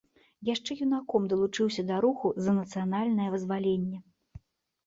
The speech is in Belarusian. Яшчэ юнаком далучыўся да руху за нацыянальнае вызваленне.